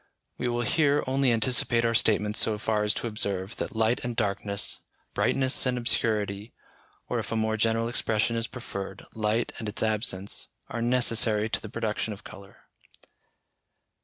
We will here only anticipate our statements so far as to observe, that light and darkness, brightness and obscurity, or if a more general expression is preferred, light and its absence, are necessary to the production of colour.